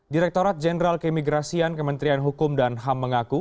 direktorat jenderal keimigrasian kementerian hukum dan ham mengaku